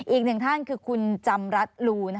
อีกหนึ่งท่านคือคุณจำรัฐลู